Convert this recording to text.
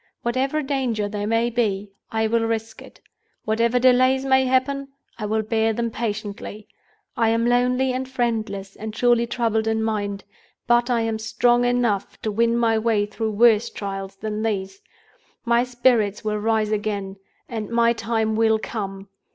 Whatever danger there may be, I will risk it. Whatever delays may happen, I will bear them patiently. I am lonely and friendless, and surely troubled in mind, but I am strong enough to win my way through worse trials than these. My spirits will rise again, and my time will come.